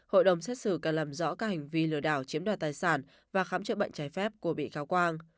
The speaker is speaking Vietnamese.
hội đồng xét xử cần làm rõ các hành vi lừa đảo chiếm đoạt tài sản và khám chữa bệnh trái phép của bị cáo quang